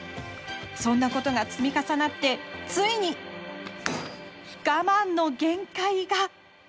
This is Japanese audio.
そんなことが積み重なってついに我慢の限界が。